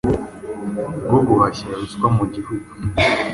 Rwo guhashya ruswa mugihugu